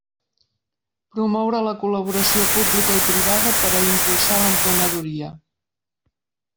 Promoure la col·laboració publica i privada per a impulsar l'emprenedoria.